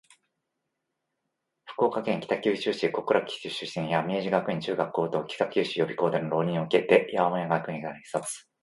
福岡県北九州市小倉北区出身。明治学園中学校・高等学校、北九州予備校（北予備）での浪人を経て、青山学院大学経営学部経営学科卒業